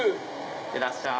いってらっしゃい。